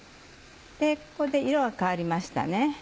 ここで色が変わりましたね。